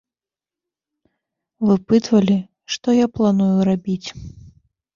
Выпытвалі, што я планую рабіць.